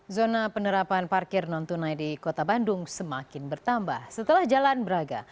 zona penerapan parkir non tunai di kota bandung semakin bertambah setelah jalan braga